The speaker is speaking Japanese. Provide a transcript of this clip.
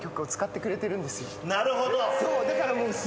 なるほど！